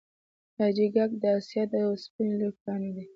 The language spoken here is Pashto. حاجي ګک د اسیا د وسپنې لوی کان دی